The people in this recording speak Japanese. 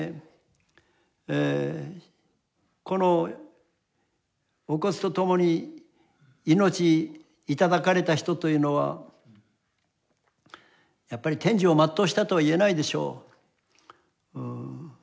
このお骨とともに命いただかれた人というのはやっぱり天寿を全うしたとは言えないでしょう。